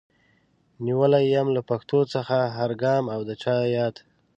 نيولی يم له پښو څخه هر ګام او د چا ياد